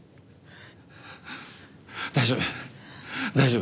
大丈夫。